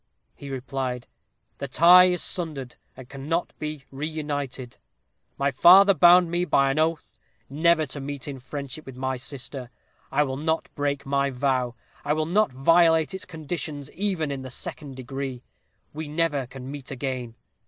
he replied, 'The tie is sundered, and cannot be reunited; my father bound me by an oath never to meet in friendship with my sister; I will not break my vow, I will not violate its conditions, even in the second degree. We never can meet again.